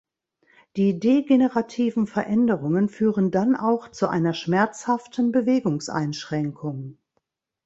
Die degenerativen Veränderungen führen dann auch zu einer schmerzhaften Bewegungseinschränkung.